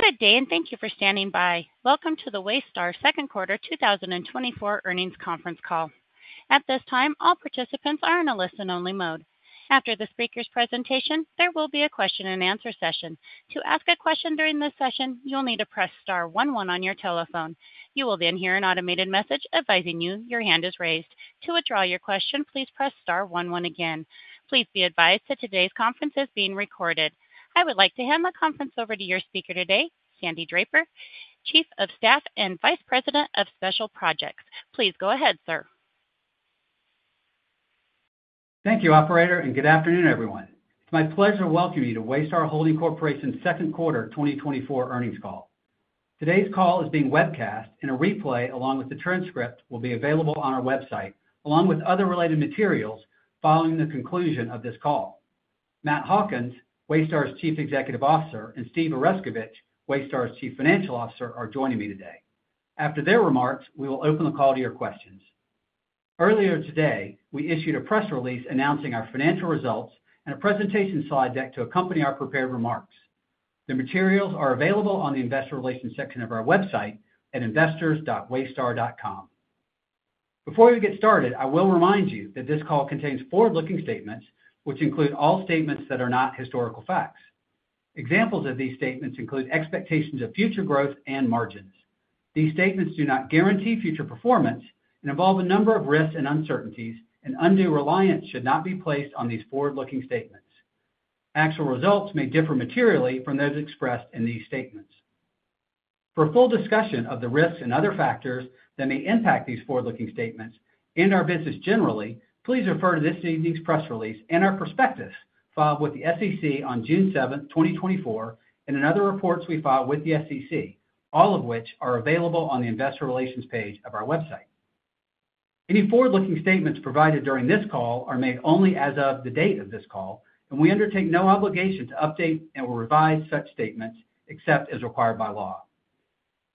Good day, and thank you for standing by. Welcome to the Waystar second quarter 2024 earnings conference call. At this time, all participants are in a listen-only mode. After the speaker's presentation, there will be a question-and-answer session. To ask a question during this session, you'll need to press star one one on your telephone. You will then hear an automated message advising you your hand is raised. To withdraw your question, please press star one one again. Please be advised that today's conference is being recorded. I would like to hand the conference over to your speaker today, Sandy Draper, Chief of Staff and Vice President of Special Projects. Please go ahead, sir. Thank you, Operator, and good afternoon, everyone. It's my pleasure to welcome you to Waystar Holding Corporation's second quarter 2024 earnings call. Today's call is being webcast, and a replay, along with the transcript, will be available on our website, along with other related materials following the conclusion of this call. Matt Hawkins, Waystar's Chief Executive Officer, and Steve Oreskovich, Waystar's Chief Financial Officer, are joining me today. After their remarks, we will open the call to your questions. Earlier today, we issued a press release announcing our financial results and a presentation slide deck to accompany our prepared remarks. The materials are available on the Investor Relations section of our website at investors.waystar.com. Before we get started, I will remind you that this call contains forward-looking statements, which include all statements that are not historical facts. Examples of these statements include expectations of future growth and margins. These statements do not guarantee future performance and involve a number of risks and uncertainties, and undue reliance should not be placed on these forward-looking statements. Actual results may differ materially from those expressed in these statements. For full discussion of the risks and other factors that may impact these forward-looking statements and our business generally, please refer to this evening's press release and our prospectus filed with the SEC on June 7, 2024, and in other reports we filed with the SEC, all of which are available on the Investor Relations page of our website. Any forward-looking statements provided during this call are made only as of the date of this call, and we undertake no obligation to update and/or revise such statements except as required by law.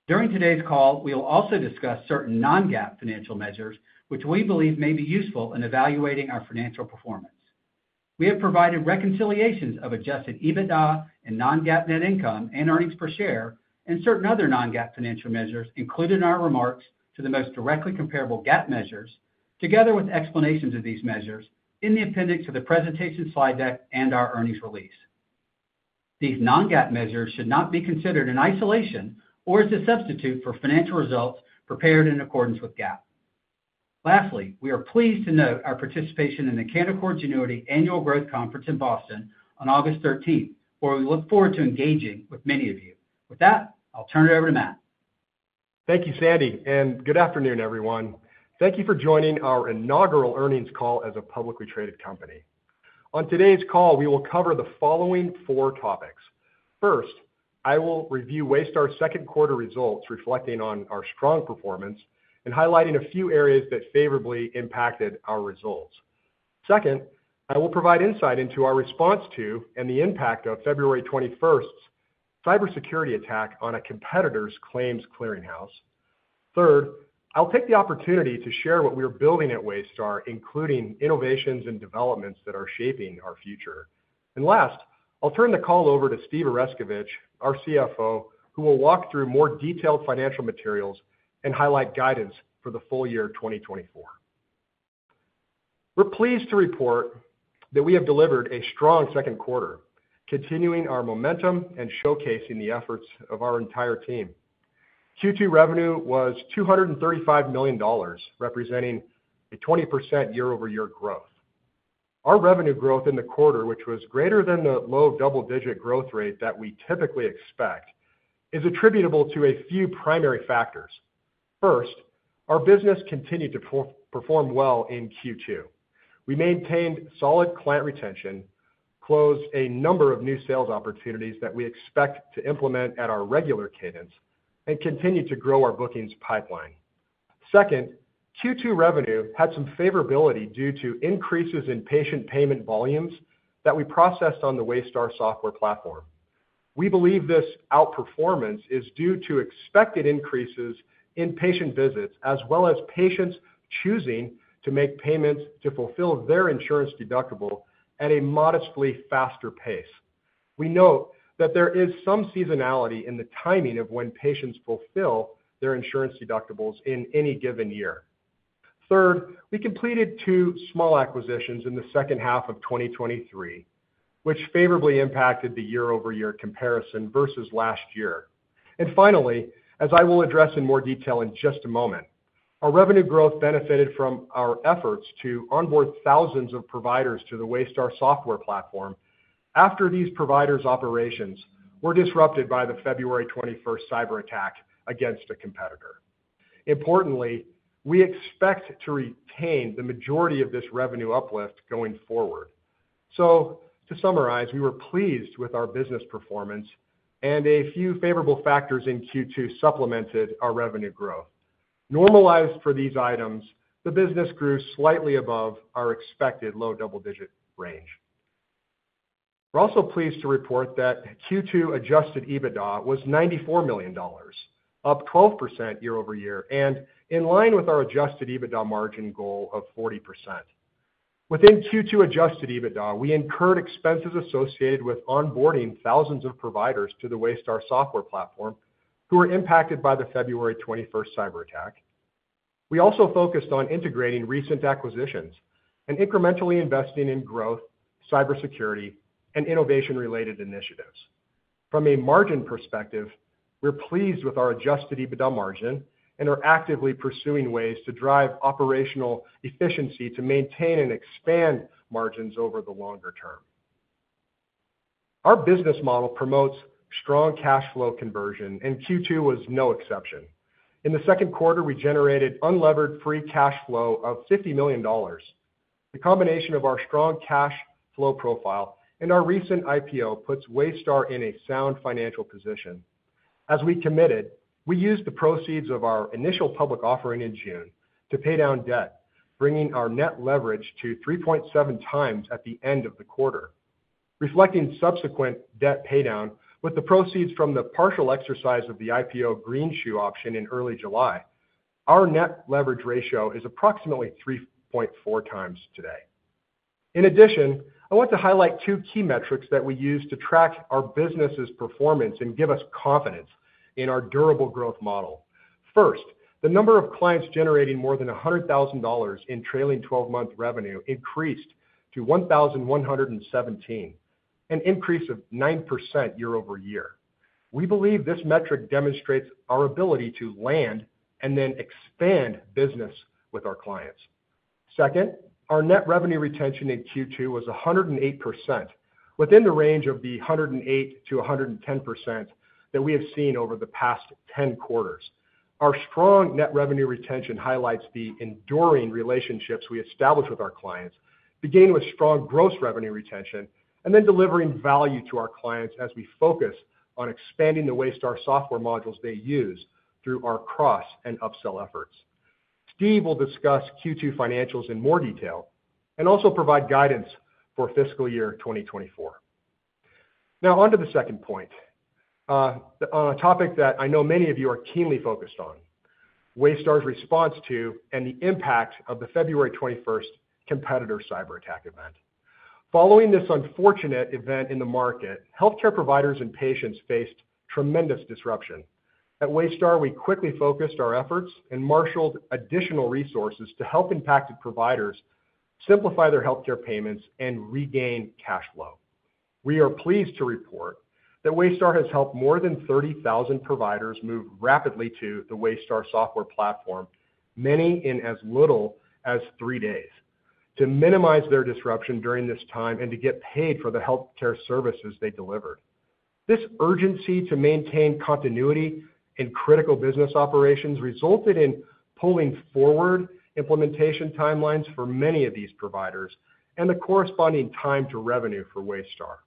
During today's call, we will also discuss certain non-GAAP financial measures, which we believe may be useful in evaluating our financial performance. We have provided reconciliations of Adjusted EBITDA and non-GAAP net income and earnings per share and certain other non-GAAP financial measures included in our remarks to the most directly comparable GAAP measures, together with explanations of these measures in the appendix to the presentation slide deck and our earnings release. These non-GAAP measures should not be considered in isolation or as a substitute for financial results prepared in accordance with GAAP. Lastly, we are pleased to note our participation in the Canaccord Genuity Annual Growth Conference in Boston on August 13, where we look forward to engaging with many of you. With that, I'll turn it over to Matt. Thank you, Sandy, and good afternoon, everyone. Thank you for joining our inaugural earnings call as a publicly traded company. On today's call, we will cover the following four topics. First, I will review Waystar's second quarter results reflecting on our strong performance and highlighting a few areas that favorably impacted our results. Second, I will provide insight into our response to and the impact of February 21's cybersecurity attack on a competitor's claims clearinghouse. Third, I'll take the opportunity to share what we are building at Waystar, including innovations and developments that are shaping our future. And last, I'll turn the call over to Steve Oreskovich, our CFO, who will walk through more detailed financial materials and highlight guidance for the full year 2024. We're pleased to report that we have delivered a strong second quarter, continuing our momentum and showcasing the efforts of our entire team. Q2 revenue was $235 million, representing a 20% year-over-year growth. Our revenue growth in the quarter, which was greater than the low double-digit growth rate that we typically expect, is attributable to a few primary factors. First, our business continued to perform well in Q2. We maintained solid client retention, closed a number of new sales opportunities that we expect to implement at our regular cadence, and continued to grow our bookings pipeline. Second, Q2 revenue had some favorability due to increases in patient payment volumes that we processed on the Waystar software platform. We believe this outperformance is due to expected increases in patient visits, as well as patients choosing to make payments to fulfill their insurance deductible at a modestly faster pace. We note that there is some seasonality in the timing of when patients fulfill their insurance deductibles in any given year. Third, we completed two small acquisitions in the second half of 2023, which favorably impacted the year-over-year comparison versus last year. And finally, as I will address in more detail in just a moment, our revenue growth benefited from our efforts to onboard thousands of providers to the Waystar software platform after these providers' operations were disrupted by the February 21 cyber attack against a competitor. Importantly, we expect to retain the majority of this revenue uplift going forward. So, to summarize, we were pleased with our business performance, and a few favorable factors in Q2 supplemented our revenue growth. Normalized for these items, the business grew slightly above our expected low double-digit range. We're also pleased to report that Q2 Adjusted EBITDA was $94 million, up 12% year-over-year, and in line with our Adjusted EBITDA margin goal of 40%. Within Q2 adjusted EBITDA, we incurred expenses associated with onboarding thousands of providers to the Waystar software platform who were impacted by the February 21 cyber attack. We also focused on integrating recent acquisitions and incrementally investing in growth, cybersecurity, and innovation-related initiatives. From a margin perspective, we're pleased with our adjusted EBITDA margin and are actively pursuing ways to drive operational efficiency to maintain and expand margins over the longer term. Our business model promotes strong cash flow conversion, and Q2 was no exception. In the second quarter, we generated unlevered free cash flow of $50 million. The combination of our strong cash flow profile and our recent IPO puts Waystar in a sound financial position. As we committed, we used the proceeds of our initial public offering in June to pay down debt, bringing our net leverage to 3.7x at the end of the quarter. Reflecting subsequent debt paydown with the proceeds from the partial exercise of the IPO greenshoe option in early July, our net leverage ratio is approximately 3.4 times today. In addition, I want to highlight two key metrics that we use to track our business's performance and give us confidence in our durable growth model. First, the number of clients generating more than $100,000 in trailing 12-month revenue increased to 1,117, an increase of 9% year-over-year. We believe this metric demonstrates our ability to land and then expand business with our clients. Second, our net revenue retention in Q2 was 108%, within the range of the 108%-110% that we have seen over the past 10 quarters. Our strong net revenue retention highlights the enduring relationships we established with our clients, beginning with strong gross revenue retention and then delivering value to our clients as we focus on expanding the Waystar software modules they use through our cross and upsell efforts. Steve will discuss Q2 financials in more detail and also provide guidance for fiscal year 2024. Now, on to the second point, a topic that I know many of you are keenly focused on: Waystar's response to and the impact of the February 21st competitor cyber attack event. Following this unfortunate event in the market, healthcare providers and patients faced tremendous disruption. At Waystar, we quickly focused our efforts and marshaled additional resources to help impacted providers simplify their healthcare payments and regain cash flow. We are pleased to report that Waystar has helped more than 30,000 providers move rapidly to the Waystar software platform, many in as little as three days, to minimize their disruption during this time and to get paid for the healthcare services they delivered. This urgency to maintain continuity in critical business operations resulted in pulling forward implementation timelines for many of these providers and the corresponding time to revenue for Waystar.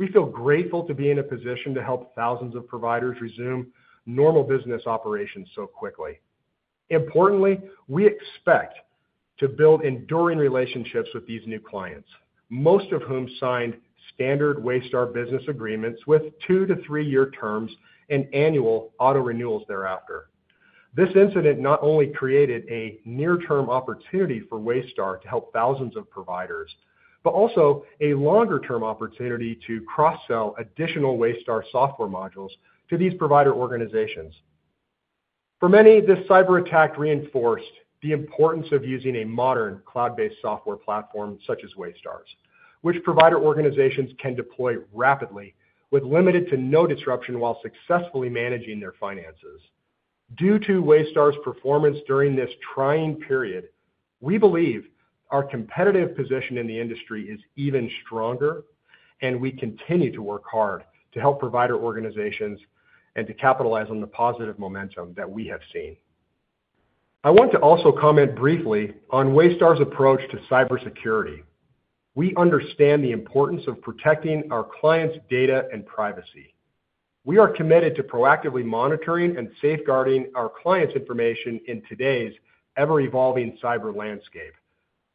We feel grateful to be in a position to help thousands of providers resume normal business operations so quickly. Importantly, we expect to build enduring relationships with these new clients, most of whom signed standard Waystar business agreements with two- to three-year terms and annual auto-renewals thereafter. This incident not only created a near-term opportunity for Waystar to help thousands of providers, but also a longer-term opportunity to cross-sell additional Waystar software modules to these provider organizations. For many, this cyber attack reinforced the importance of using a modern cloud-based software platform such as Waystar's, which provider organizations can deploy rapidly with limited to no disruption while successfully managing their finances. Due to Waystar's performance during this trying period, we believe our competitive position in the industry is even stronger, and we continue to work hard to help provider organizations and to capitalize on the positive momentum that we have seen. I want to also comment briefly on Waystar's approach to cybersecurity. We understand the importance of protecting our clients' data and privacy. We are committed to proactively monitoring and safeguarding our clients' information in today's ever-evolving cyber landscape.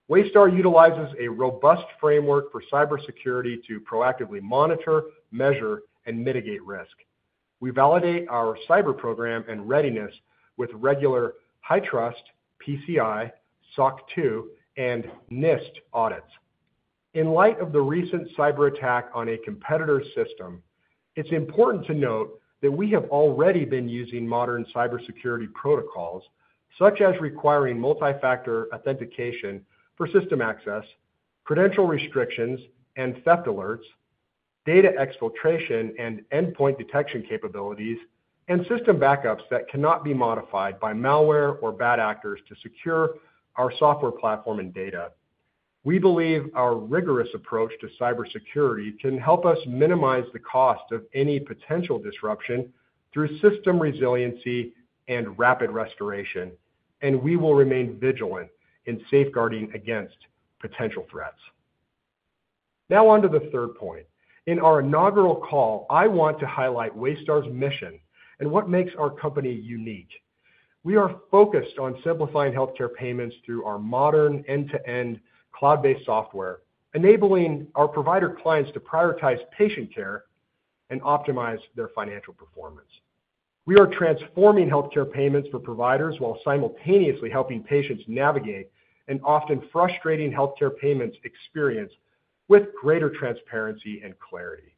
Waystar utilizes a robust framework for cybersecurity to proactively monitor, measure, and mitigate risk. We validate our cyber program and readiness with regular HITRUST PCI, SOC 2, and NIST audits. In light of the recent cyber attack on a competitor's system, it's important to note that we have already been using modern cybersecurity protocols, such as requiring multi-factor authentication for system access, credential restrictions and theft alerts, data exfiltration and endpoint detection capabilities, and system backups that cannot be modified by malware or bad actors to secure our software platform and data. We believe our rigorous approach to cybersecurity can help us minimize the cost of any potential disruption through system resiliency and rapid restoration, and we will remain vigilant in safeguarding against potential threats. Now, on to the third point. In our inaugural call, I want to highlight Waystar's mission and what makes our company unique. We are focused on simplifying healthcare payments through our modern end-to-end cloud-based software, enabling our provider clients to prioritize patient care and optimize their financial performance. We are transforming healthcare payments for providers while simultaneously helping patients navigate an often frustrating healthcare payments experience with greater transparency and clarity.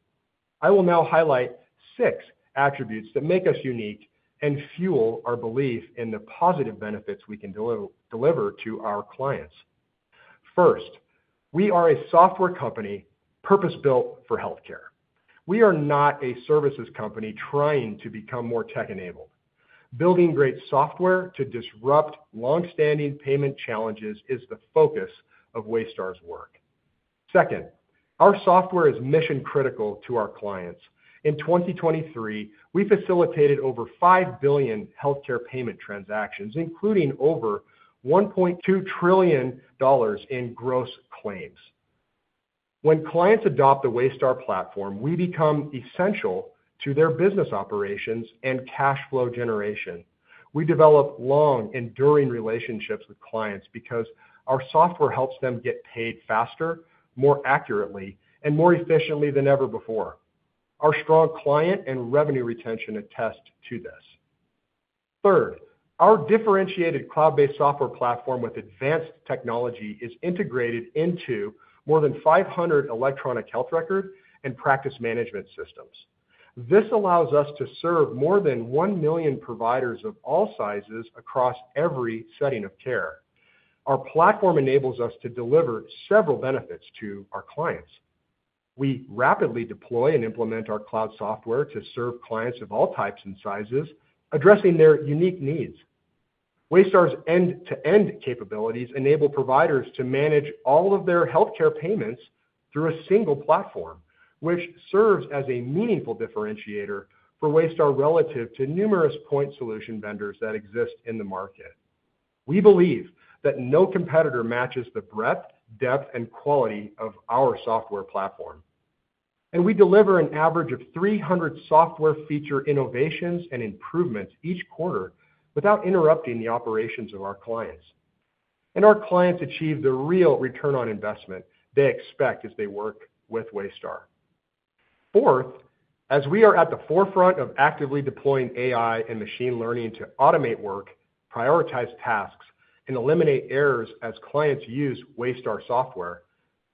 I will now highlight six attributes that make us unique and fuel our belief in the positive benefits we can deliver to our clients. First, we are a software company purpose-built for healthcare. We are not a services company trying to become more tech-enabled. Building great software to disrupt long-standing payment challenges is the focus of Waystar's work. Second, our software is mission-critical to our clients. In 2023, we facilitated over $5 billion healthcare payment transactions, including over $1.2 trillion in gross claims. When clients adopt the Waystar platform, we become essential to their business operations and cash flow generation. We develop long, enduring relationships with clients because our software helps them get paid faster, more accurately, and more efficiently than ever before. Our strong client and revenue retention attest to this. Third, our differentiated cloud-based software platform with advanced technology is integrated into more than 500 electronic health record and practice management systems. This allows us to serve more than one million providers of all sizes across every setting of care. Our platform enables us to deliver several benefits to our clients. We rapidly deploy and implement our cloud software to serve clients of all types and sizes, addressing their unique needs. Waystar's end-to-end capabilities enable providers to manage all of their healthcare payments through a single platform, which serves as a meaningful differentiator for Waystar relative to numerous point solution vendors that exist in the market. We believe that no competitor matches the breadth, depth, and quality of our software platform. We deliver an average of 300 software feature innovations and improvements each quarter without interrupting the operations of our clients. Our clients achieve the real return on investment they expect as they work with Waystar. Fourth, as we are at the forefront of actively deploying AI and machine learning to automate work, prioritize tasks, and eliminate errors as clients use Waystar software,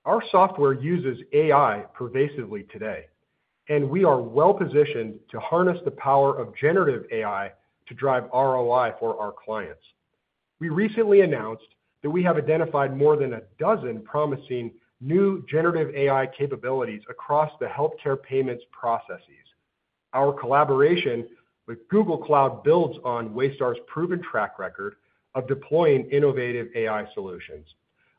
our software uses AI pervasively today, and we are well-positioned to harness the power of generative AI to drive ROI for our clients. We recently announced that we have identified more than a dozen promising new generative AI capabilities across the healthcare payments processes. Our collaboration with Google Cloud builds on Waystar's proven track record of deploying innovative AI solutions.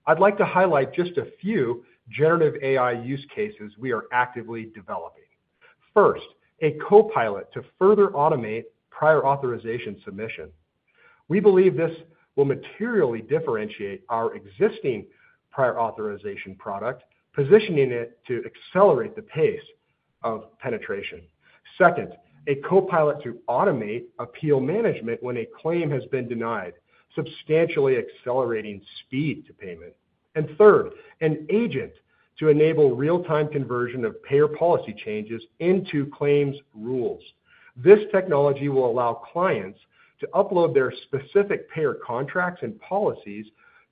I'd like to highlight just a few generative AI use cases we are actively developing. First, a copilot to further automate prior authorization submission. We believe this will materially differentiate our existing prior authorization product, positioning it to accelerate the pace of penetration. Second, a copilot to automate appeal management when a claim has been denied, substantially accelerating speed to payment. And third, an agent to enable real-time conversion of payer policy changes into claims rules. This technology will allow clients to upload their specific payer contracts and policies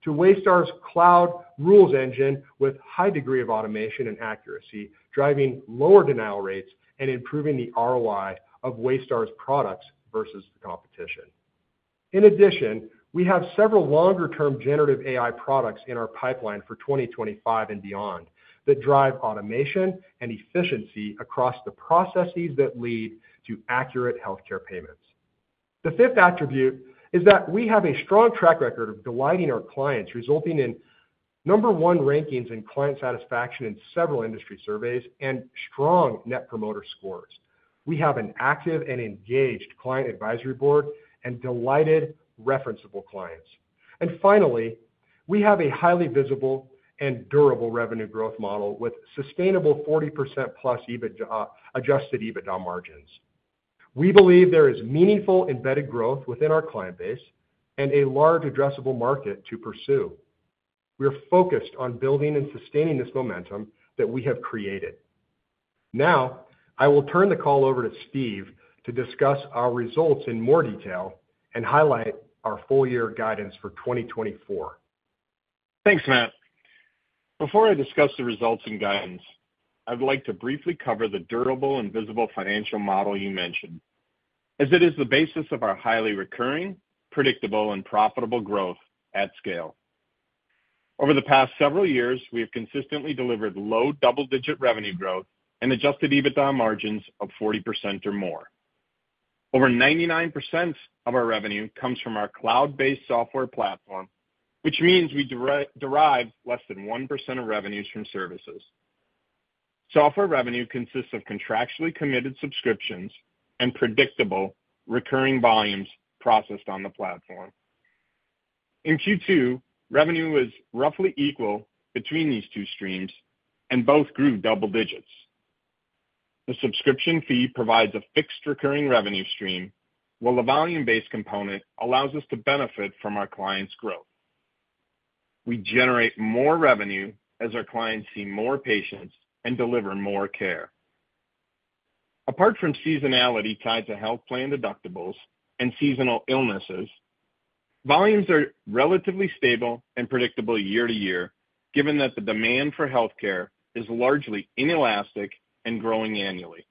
to Waystar's cloud rules engine with a high degree of automation and accuracy, driving lower denial rates and improving the ROI of Waystar's products versus the competition. In addition, we have several longer-term generative AI products in our pipeline for 2025 and beyond that drive automation and efficiency across the processes that lead to accurate healthcare payments. The fifth attribute is that we have a strong track record of delighting our clients, resulting in number one rankings in client satisfaction in several industry surveys and strong net promoter scores. We have an active and engaged client advisory board and delighted referenceable clients. Finally, we have a highly visible and durable revenue growth model with sustainable 40%+ adjusted EBITDA margins. We believe there is meaningful embedded growth within our client base and a large addressable market to pursue. We are focused on building and sustaining this momentum that we have created. Now, I will turn the call over to Steve to discuss our results in more detail and highlight our full-year guidance for 2024. Thanks, Matt. Before I discuss the results and guidance, I'd like to briefly cover the durable and visible financial model you mentioned, as it is the basis of our highly recurring, predictable, and profitable growth at scale. Over the past several years, we have consistently delivered low double-digit revenue growth and Adjusted EBITDA margins of 40% or more. Over 99% of our revenue comes from our cloud-based software platform, which means we derive less than 1% of revenues from services. Software revenue consists of contractually committed subscriptions and predictable recurring volumes processed on the platform. In Q2, revenue was roughly equal between these two streams, and both grew double digits. The subscription fee provides a fixed recurring revenue stream, while the volume-based component allows us to benefit from our clients' growth. We generate more revenue as our clients see more patients and deliver more care. Apart from seasonality tied to health plan deductibles and seasonal illnesses, volumes are relatively stable and predictable year to year, given that the demand for healthcare is largely inelastic and growing annually.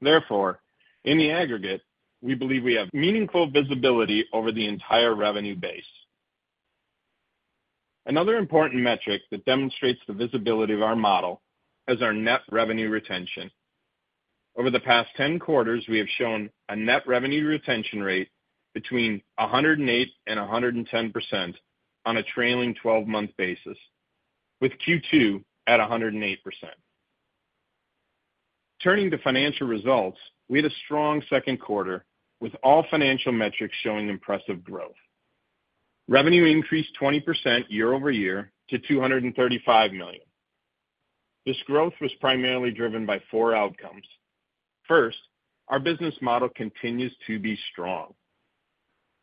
Therefore, in the aggregate, we believe we have meaningful visibility over the entire revenue base. Another important metric that demonstrates the visibility of our model is our net revenue retention. Over the past 10 quarters, we have shown a net revenue retention rate between 108% and 110% on a trailing 12-month basis, with Q2 at 108%. Turning to financial results, we had a strong second quarter, with all financial metrics showing impressive growth. Revenue increased 20% year-over-year to $235 million. This growth was primarily driven by four outcomes. First, our business model continues to be strong.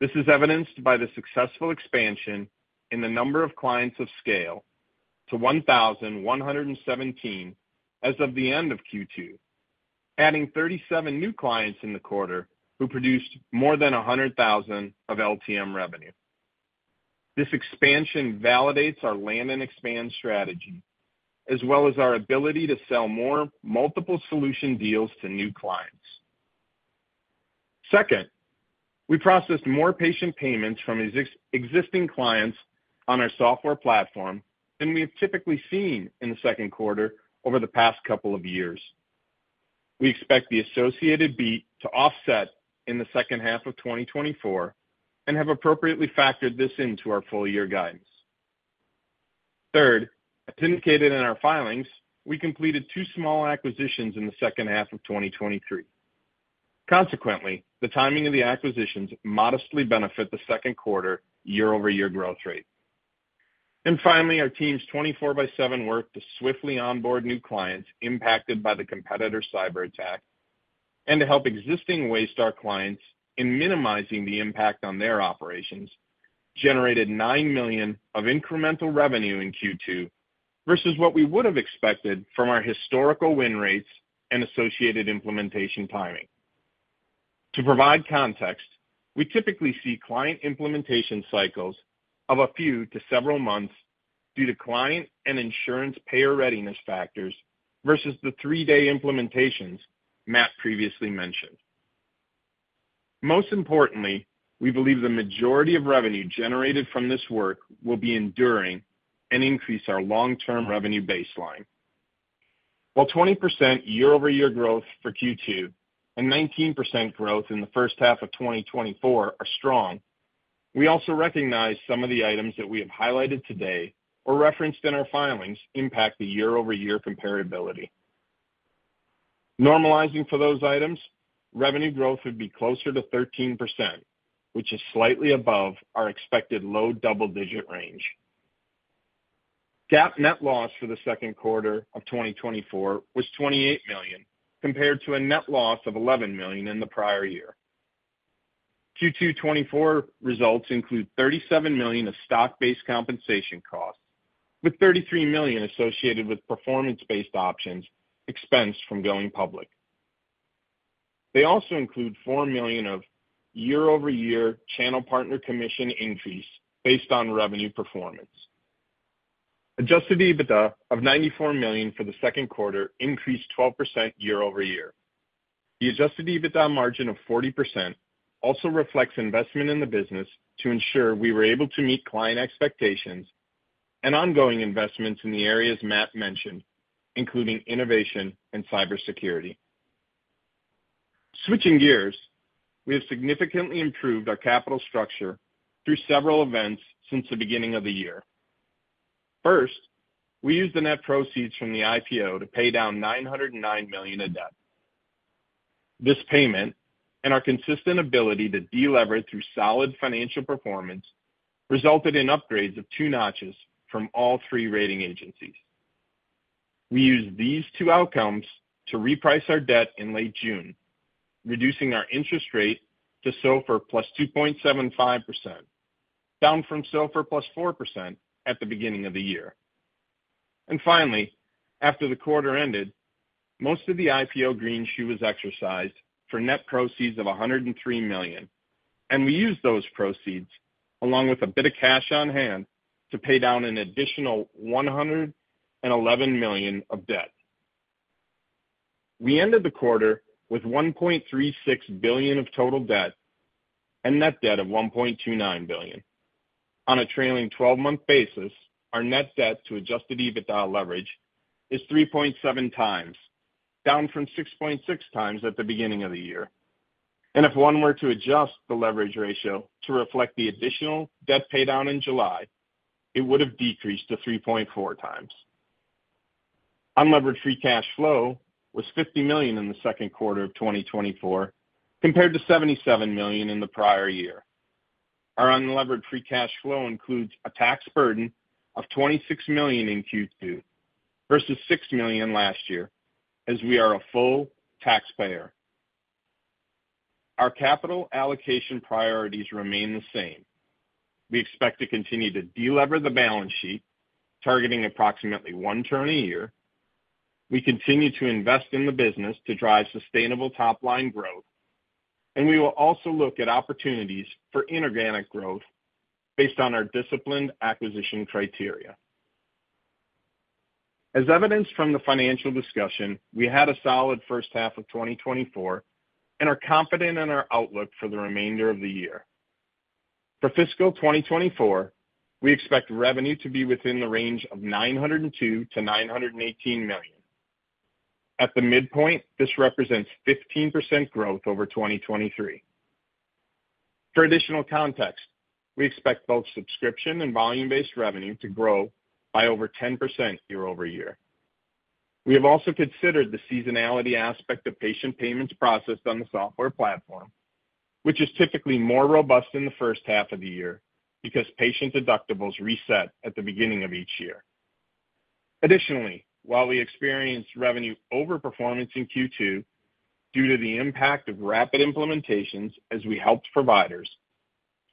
This is evidenced by the successful expansion in the number of clients of scale to 1,117 as of the end of Q2, adding 37 new clients in the quarter who produced more than 100,000 of LTM revenue. This expansion validates our land and expand strategy, as well as our ability to sell more multiple solution deals to new clients. Second, we processed more patient payments from existing clients on our software platform than we have typically seen in the second quarter over the past couple of years. We expect the associated beat to offset in the second half of 2024 and have appropriately factored this into our full-year guidance. Third, as indicated in our filings, we completed two small acquisitions in the second half of 2023. Consequently, the timing of the acquisitions modestly benefits the second quarter year-over-year growth rate. Finally, our team's 24x7 work to swiftly onboard new clients impacted by the competitor cyber attack and to help existing Waystar clients in minimizing the impact on their operations generated $9 million of incremental revenue in Q2 versus what we would have expected from our historical win rates and associated implementation timing. To provide context, we typically see client implementation cycles of a few to several months due to client and insurance payer readiness factors versus the 3-day implementations Matt previously mentioned. Most importantly, we believe the majority of revenue generated from this work will be enduring and increase our long-term revenue baseline. While 20% year-over-year growth for Q2 and 19% growth in the first half of 2024 are strong, we also recognize some of the items that we have highlighted today or referenced in our filings impact the year-over-year comparability. Normalizing for those items, revenue growth would be closer to 13%, which is slightly above our expected low double-digit range. GAAP net loss for the second quarter of 2024 was $28 million, compared to a net loss of $11 million in the prior year. Q2 2024 results include $37 million of stock-based compensation costs, with $33 million associated with performance-based options expensed from going public. They also include $4 million of year-over-year channel partner commission increase based on revenue performance. Adjusted EBITDA of $94 million for the second quarter increased 12% year-over-year. The adjusted EBITDA margin of 40% also reflects investment in the business to ensure we were able to meet client expectations and ongoing investments in the areas Matt mentioned, including innovation and cybersecurity. Switching gears, we have significantly improved our capital structure through several events since the beginning of the year. First, we used the net proceeds from the IPO to pay down $909 million of debt. This payment and our consistent ability to deleverage through solid financial performance resulted in upgrades of two notches from all three rating agencies. We used these two outcomes to reprice our debt in late June, reducing our interest rate to SOFR +2.75%, down from SOFR +4% at the beginning of the year. And finally, after the quarter ended, most of the IPO green shoe was exercised for net proceeds of $103 million, and we used those proceeds along with a bit of cash on hand to pay down an additional $111 million of debt. We ended the quarter with $1.36 billion of total debt and net debt of $1.29 billion. On a trailing 12-month basis, our net debt to Adjusted EBITDA leverage is 3.7 times, down from 6.6 times at the beginning of the year. If one were to adjust the leverage ratio to reflect the additional debt paydown in July, it would have decreased to 3.4 times. Unlevered free cash flow was $50 million in the second quarter of 2024, compared to $77 million in the prior year. Our unlevered free cash flow includes a tax burden of $26 million in Q2 versus $6 million last year, as we are a full taxpayer. Our capital allocation priorities remain the same. We expect to continue to deleverage the balance sheet, targeting approximately one turn a year. We continue to invest in the business to drive sustainable top-line growth, and we will also look at opportunities for inorganic growth based on our disciplined acquisition criteria. As evidenced from the financial discussion, we had a solid first half of 2024 and are confident in our outlook for the remainder of the year. For fiscal 2024, we expect revenue to be within the range of $902 million-$918 million. At the midpoint, this represents 15% growth over 2023. For additional context, we expect both subscription and volume-based revenue to grow by over 10% year-over-year. We have also considered the seasonality aspect of patient payments processed on the software platform, which is typically more robust in the first half of the year because patient deductibles reset at the beginning of each year. Additionally, while we experienced revenue overperformance in Q2 due to the impact of rapid implementations as we helped providers,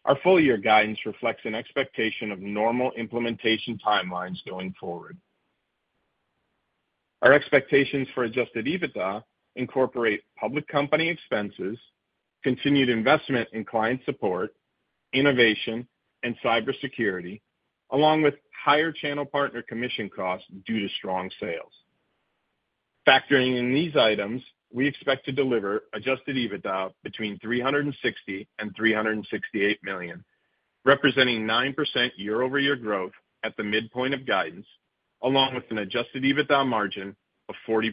our full-year guidance reflects an expectation of normal implementation timelines going forward. Our expectations for adjusted EBITDA incorporate public company expenses, continued investment in client support, innovation, and cybersecurity, along with higher channel partner commission costs due to strong sales. Factoring in these items, we expect to deliver adjusted EBITDA between $360 million and $368 million, representing 9% year-over-year growth at the midpoint of guidance, along with an adjusted EBITDA margin of 40%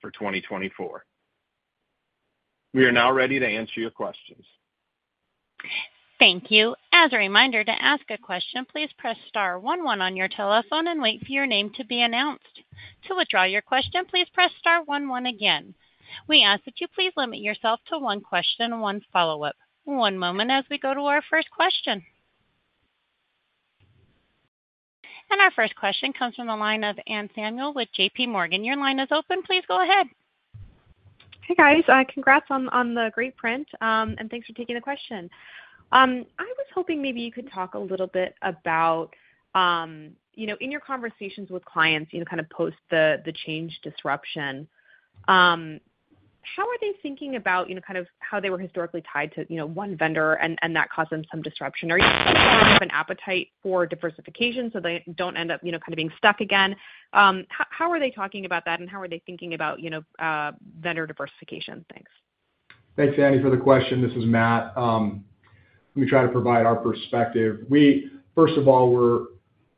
for 2024. We are now ready to answer your questions. Thank you. As a reminder, to ask a question, please press star one one on your telephone and wait for your name to be announced. To withdraw your question, please press star one one again. We ask that you please limit yourself to one question and one follow-up. One moment as we go to our first question. Our first question comes from the line of Anne Samuel with J.P. Morgan. Your line is open. Please go ahead. Hey, guys. Congrats on the great print, and thanks for taking the question. I was hoping maybe you could talk a little bit about, you know, in your conversations with clients, you know, kind of post the change disruption, how are they thinking about, you know, kind of how they were historically tied to, you know, one vendor and that caused them some disruption? Or do you have an appetite for diversification so they don't end up, you know, kind of being stuck again? How are they talking about that, and how are they thinking about, you know, vendor diversification? Thanks. Thanks, Anne, for the question. This is Matt. Let me try to provide our perspective. We, first of all, were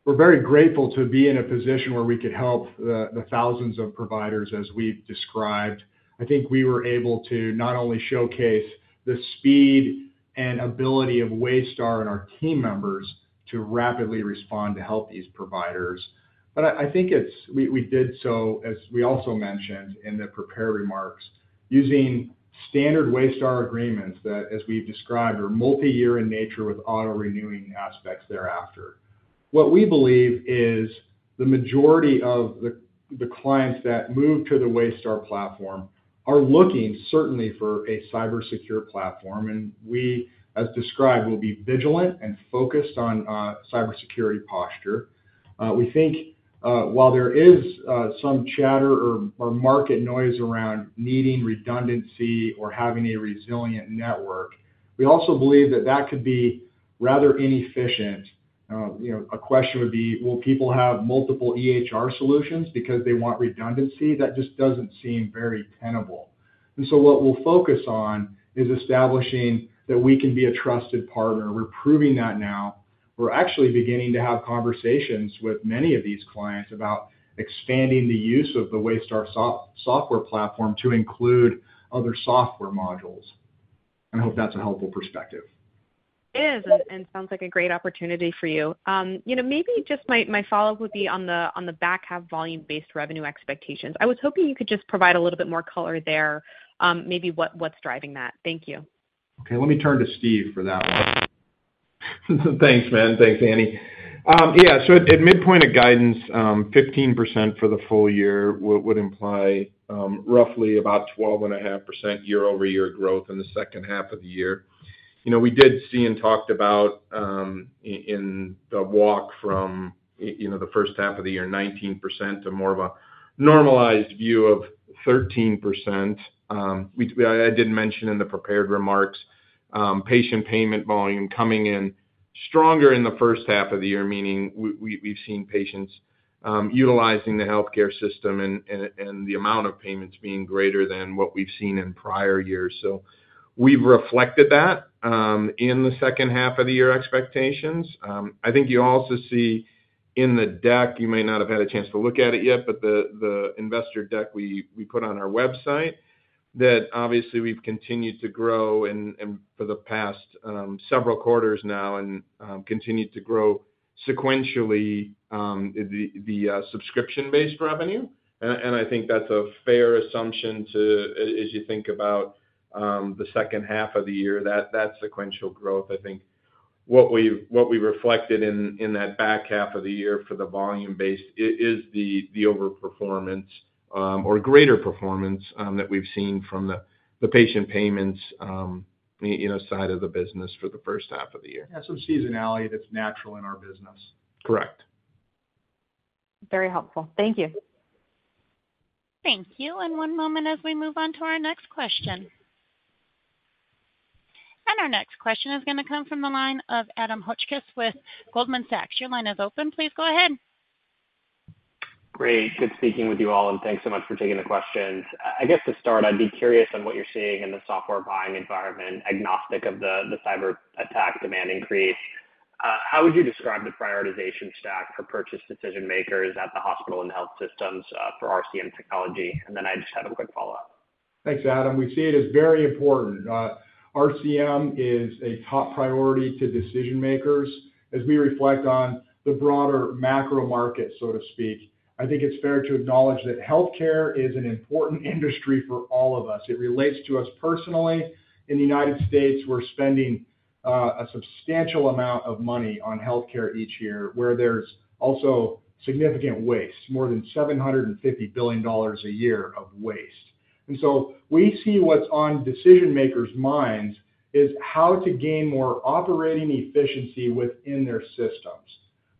very grateful to be in a position where we could help the thousands of providers, as we've described. I think we were able to not only showcase the speed and ability of Waystar and our team members to rapidly respond to help these providers, but I think it's, we did so, as we also mentioned in the prepared remarks, using standard Waystar agreements that, as we've described, are multi-year in nature with auto-renewing aspects thereafter. What we believe is the majority of the clients that move to the Waystar platform are looking certainly for a cybersecure platform, and we, as described, will be vigilant and focused on cybersecurity posture. We think while there is some chatter or market noise around needing redundancy or having a resilient network, we also believe that that could be rather inefficient. You know, a question would be, will people have multiple EHR solutions because they want redundancy? That just doesn't seem very tenable. And so what we'll focus on is establishing that we can be a trusted partner. We're proving that now. We're actually beginning to have conversations with many of these clients about expanding the use of the Waystar software platform to include other software modules. I hope that's a helpful perspective. It is, and sounds like a great opportunity for you. You know, maybe just my follow-up would be on the back half volume-based revenue expectations. I was hoping you could just provide a little bit more color there, maybe what's driving that. Thank you. Okay, let me turn to Steve for th at one. Thanks, man. Thanks, Annie. Yeah, so at midpoint of guidance, 15% for the full year would imply roughly about 12.5% year-over-year growth in the second half of the year. You know, we did see and talked about in the walk from, you know, the first half of the year, 19% to more of a normalized view of 13%. I didn't mention in the prepared remarks, patient payment volume coming in stronger in the first half of the year, meaning we've seen patients utilizing the healthcare system and the amount of payments being greater than what we've seen in prior years. So we've reflected that in the second half of the year expectations. I think you also see in the deck, you may not have had a chance to look at it yet, but the investor deck we put on our website that obviously we've continued to grow and for the past several quarters now and continued to grow sequentially the subscription-based revenue. I think that's a fair assumption, as you think about the second half of the year, that sequential growth. I think what we reflected in that back half of the year for the volume-based is the overperformance or greater performance that we've seen from the patient payments, you know, side of the business for the first half of the year. Yeah, some seasonality that's natural in our business. Correct. Very helpful. Thank you. Thank you. One moment as we move on to our next question. Our next question is going to come from the line of Adam Hotchkiss with Goldman Sachs. Your line is open. Please go ahead. Great. Good speaking with you all, and thanks so much for taking the questions. I guess to start, I'd be curious on what you're seeing in the software buying environment, agnostic of the cyber attack demand increase. How would you describe the prioritization stack for purchase decision makers at the hospital and health systems for RCM technology? And then I just have a quick follow-up. Thanks, Adam. We see it as very important. RCM is a top priority to decision makers as we reflect on the broader macro market, so to speak. I think it's fair to acknowledge that healthcare is an important industry for all of us. It relates to us personally. In the United States, we're spending a substantial amount of money on healthcare each year, where there's also significant waste, more than $750 billion a year of waste. And so we see what's on decision makers' minds is how to gain more operating efficiency within their systems.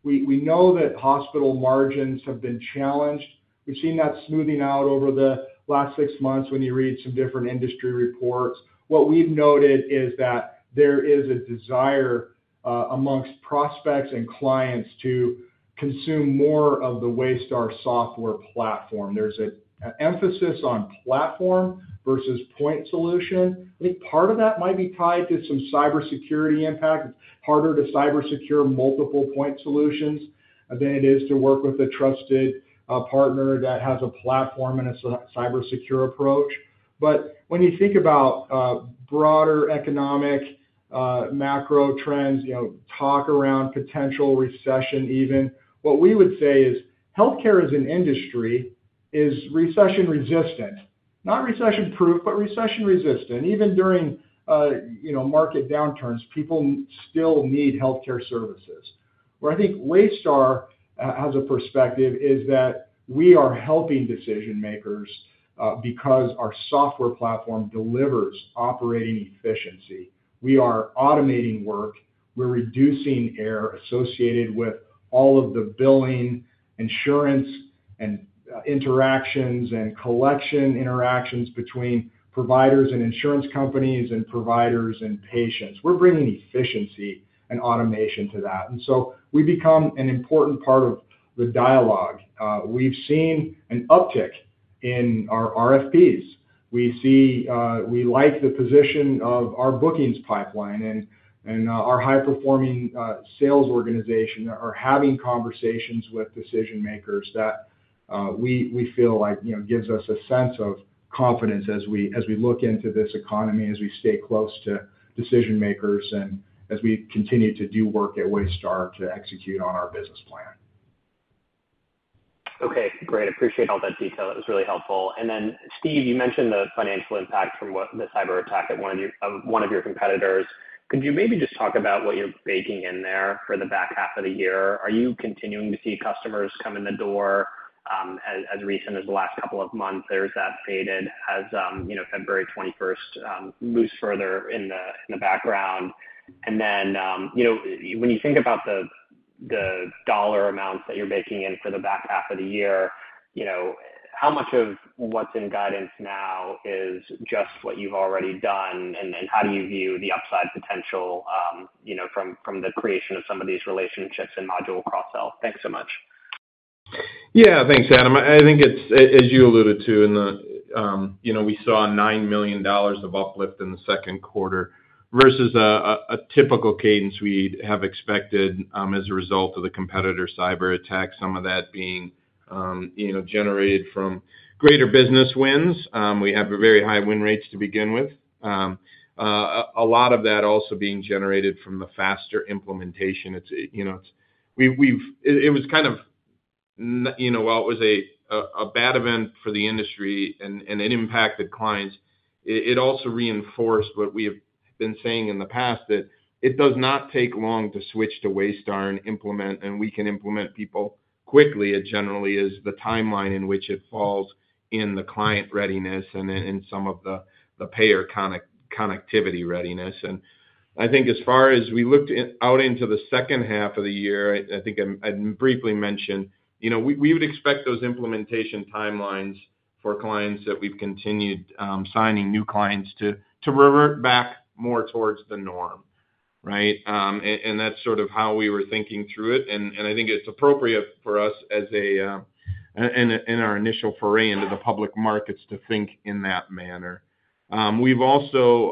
We know that hospital margins have been challenged. We've seen that smoothing out over the last six months when you read some different industry reports. What we've noted is that there is a desire among prospects and clients to consume more of the Waystar software platform. There's an emphasis on platform versus point solution. I think part of that might be tied to some cybersecurity impact. It's harder to cybersecure multiple point solutions than it is to work with a trusted partner that has a platform and a cybersecure approach. But when you think about broader economic macro trends, you know, talk around potential recession even, what we would say is healthcare as an industry is recession resistant. Not recession proof, but recession resistant. Even during, you know, market downturns, people still need healthcare services. Where I think Waystar has a perspective is that we are helping decision makers because our software platform delivers operating efficiency. We are automating work. We're reducing error associated with all of the billing, insurance, and interactions and collection interactions between providers and insurance companies and providers and patients. We're bringing efficiency and automation to that. And so we become an important part of the dialogue. We've seen an uptick in our RFPs. We see we like the position of our bookings pipeline and our high-performing sales organization are having conversations with decision makers that we feel like, you know, gives us a sense of confidence as we look into this economy, as we stay close to decision makers and as we continue to do work at Waystar to execute on our business plan. Okay, great. Appreciate all that detail. That was really helpful. And then, Steve, you mentioned the financial impact from the cyber attack at one of your competitors. Could you maybe just talk about what you're baking in there for the back half of the year? Are you continuing to see customers come in the door as recent as the last couple of months? Or has that faded as, you know, February 21st moves further in the background? And then, you know, when you think about the dollar amounts that you're baking in for the back half of the year, you know, how much of what's in guidance now is just what you've already done? And how do you view the upside potential, you know, from the creation of some of these relationships and module cross-sell? Thanks so much. Yeah, thanks, Adam. I think it's, as you alluded to, in the, you know, we saw $9 million of uplift in the second quarter versus a typical cadence we'd have expected as a result of the competitor cyber attack, some of that being, you know, generated from greater business wins. We have very high win rates to begin with. A lot of that also being generated from the faster implementation. It's, you know, it was kind of, you know, while it was a bad event for the industry and it impacted clients, it also reinforced what we have been saying in the past that it does not take long to switch to Waystar and implement, and we can implement people quickly. It generally is the timeline in which it falls in the client readiness and in some of the payer connectivity readiness. I think as far as we looked out into the second half of the year, I think I briefly mentioned, you know, we would expect those implementation timelines for clients that we've continued signing new clients to revert back more towards the norm, right? That's sort of how we were thinking through it. I think it's appropriate for us as a, in our initial foray into the public markets to think in that manner. We've also,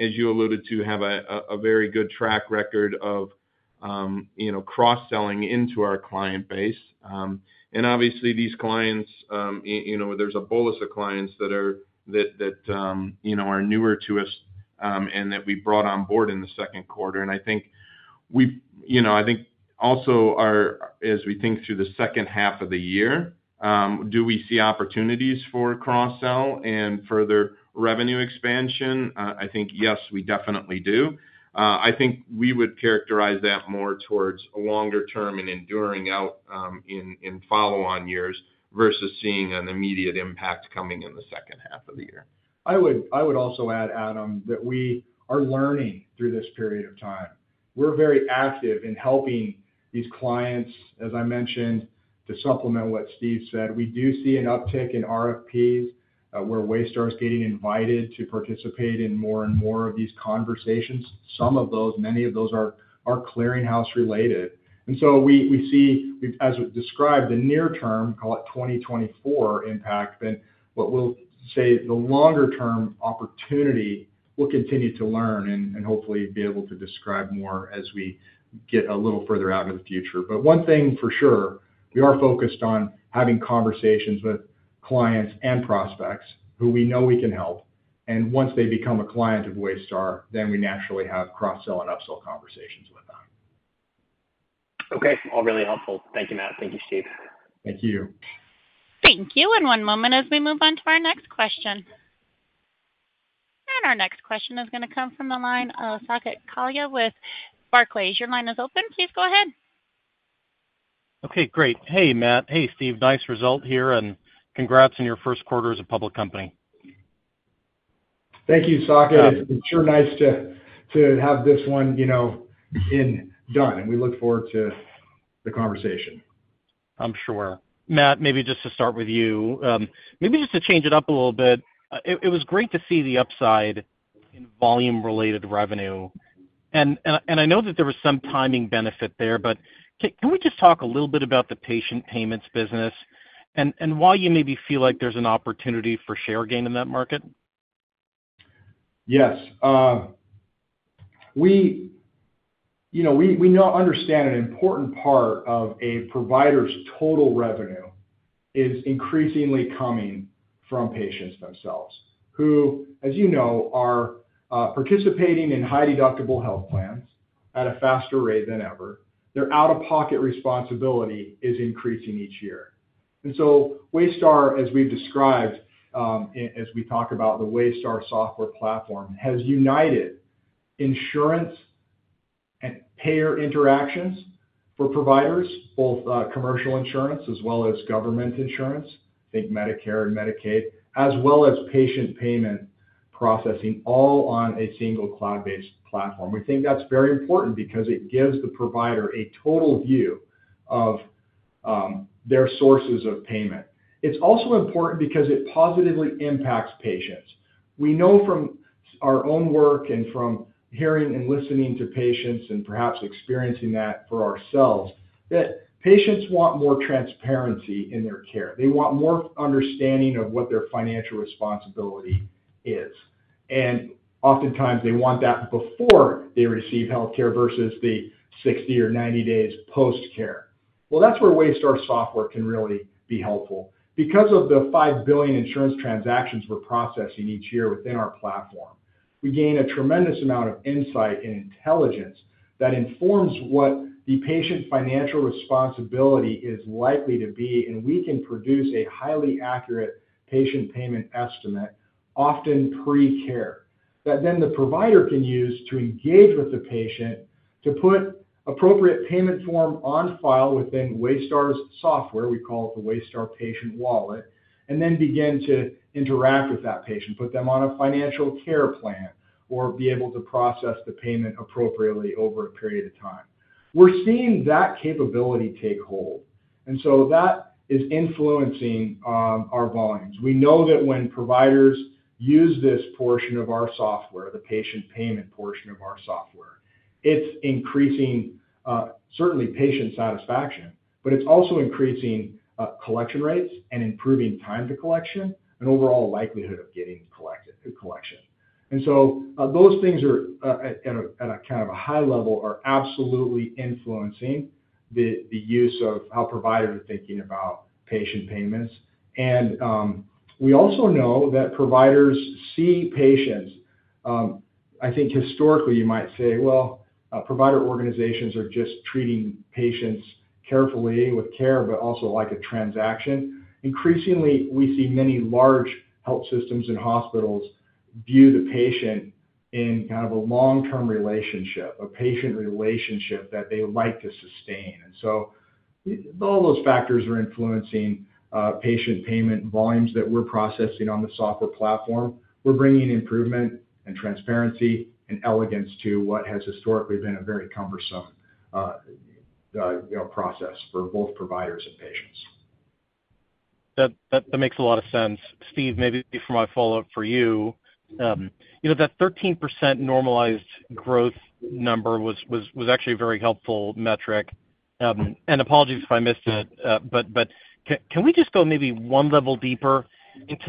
as you alluded to, have a very good track record of, you know, cross-selling into our client base. Obviously, these clients, you know, there's a bolus of clients that are, that, you know, are newer to us and that we brought on board in the second quarter. I think we, you know, I think also our, as we think through the second half of the year, do we see opportunities for cross-sell and further revenue expansion? I think yes, we definitely do. I think we would characterize that more towards a longer term and enduring out in follow-on years versus seeing an immediate impact coming in the second half of the year. I would also add, Adam, that we are learning through this period of time. We're very active in helping these clients, as I mentioned, to supplement what Steve said. We do see an uptick in RFPs. Waystar's getting invited to participate in more and more of these conversations. Some of those, many of those are clearinghouse related. And so we see, as we've described, the near term, call it 2024 impact, then what we'll say the longer term opportunity will continue to learn and hopefully be able to describe more as we get a little further out of the future. But one thing for sure, we are focused on having conversations with clients and prospects who we know we can help. And once they become a client of Waystar, then we naturally have cross-sell and upsell conversations with them. Okay, all really helpful. Thank you, Matt. Thank you, Steve. Thank you. Thank you. And one moment as we move on to our next question. And our next question is going to come from the line of Saket Kalia with Barclays. Your line is open. Please go ahead. Okay, great. Hey, Matt. Hey, Steve. Nice result here and congrats on your first quarter as a public company. Thank you, Saket. It's sure nice to have this one, you know, in done. And we look forward to the conversation. I'm sure. Matt, maybe just to start with you, maybe just to change it up a little bit. It was great to see the upside in volume-related revenue. And I know that there was some timing benefit there, but can we just talk a little bit about the patient payments business and why you maybe feel like there's an opportunity for share gain in that market? Yes. We, you know, we now understand an important part of a provider's total revenue is increasingly coming from patients themselves who, as you know, are participating in high deductible health plans at a faster rate than ever. Their out-of-pocket responsibility is increasing each year. And so Waystar, as we've described, as we talk about the Waystar software platform, has united insurance and payer interactions for providers, both commercial insurance as well as government insurance, like Medicare and Medicaid, as well as patient payment processing all on a single cloud-based platform. We think that's very important because it gives the provider a total view of their sources of payment. It's also important because it positively impacts patients. We know from our own work and from hearing and listening to patients and perhaps experiencing that for ourselves that patients want more transparency in their care. They want more understanding of what their financial responsibility is. And oftentimes they want that before they receive healthcare versus the 60 or 90 days post-care. Well, that's where Waystar software can really be helpful. Because of the $5 billion insurance transactions we're processing each year within our platform, we gain a tremendous amount of insight and intelligence that informs what the patient's financial responsibility is likely to be. We can produce a highly accurate patient payment estimate, often pre-care, that then the provider can use to engage with the patient to put appropriate payment form on file within Waystar's software. We call it the Waystar Patient Wallet, and then begin to interact with that patient, put them on a financial care plan, or be able to process the payment appropriately over a period of time. We're seeing that capability take hold. That is influencing our volumes. We know that when providers use this portion of our software, the patient payment portion of our software, it's increasing, certainly, patient satisfaction, but it's also increasing collection rates and improving time to collection and overall likelihood of getting collection. And so those things are, at a kind of a high level, are absolutely influencing the use of how providers are thinking about patient payments. And we also know that providers see patients. I think historically, you might say, well, provider organizations are just treating patients carefully with care, but also like a transaction. Increasingly, we see many large health systems and hospitals view the patient in kind of a long-term relationship, a patient relationship that they like to sustain. And so all those factors are influencing patient payment volumes that we're processing on the software platform. We're bringing improvement and transparency and elegance to what has historically been a very cumbersome, you know, process for both providers and patients. That makes a lot of sense. Steve, maybe for my follow-up for you, you know, that 13% normalized growth number was actually a very helpful metric. Apologies if I missed it, but can we just go maybe one level deeper into